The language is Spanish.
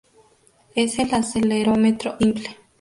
Es el acelerómetro más simple.